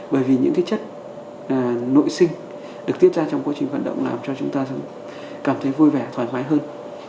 bởi vì những cái chất nội sinh được tiết ra trong quá trình vận động làm cho chúng ta cảm thấy vui vẻ thoải mái hơn